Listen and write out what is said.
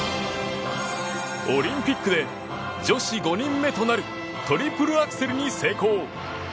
オリンピックで女子５人目となるトリプルアクセルに成功。